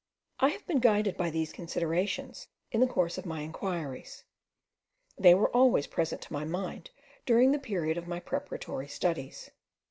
I have been guided by these considerations in the course of my inquiries; they were always present to my mind during the period of my preparatory studies.